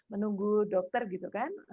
menunggu dokter gitu kan